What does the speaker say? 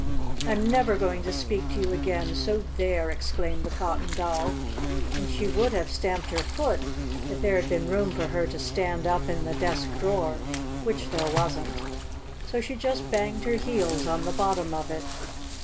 "I'm never going to speak to you again, so there!" exclaimed the Cotton Doll, and she would have stamped her foot if there had been room for her to stand up in the desk drawer which there wasn't. So she just banged her heels on the bottom of it.